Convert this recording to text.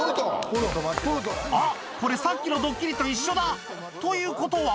あっこれさっきのドッキリと一緒だということは？